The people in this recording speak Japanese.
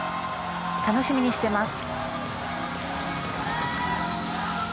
楽しみにしています。